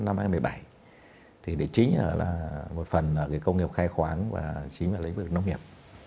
năm hai nghìn một mươi bảy thì chính là một phần ở công nghiệp khai khoáng và chính là lĩnh vực nông nghiệp